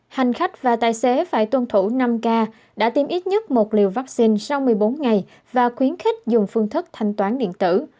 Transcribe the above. hành khách và tài xế phải tuân thủ năm k đã tiêm ít nhất một liều vaccine sau một mươi bốn ngày và khuyến khích dùng phương thức thanh toán điện tử